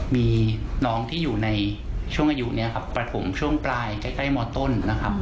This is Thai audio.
มีน้องที่อยู่ในช่วงอายุประถมช่วงปลายใกล้มต้น